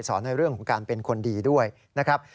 ในเรื่องของการเป็นคนดีด้วยนะครับ